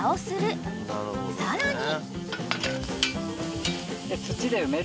［さらに］